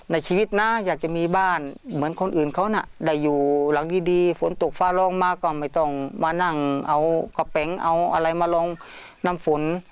ในชีวิตนะอยากจะมีบ้านเหมือนคนอื่นเขาน่ะได้อยู่หลังดีฝนตกฟ้าร้องมาก็ไม่ต้องมานั่งเอากระเป๋งเอาอะไรมาลองน้ำฝน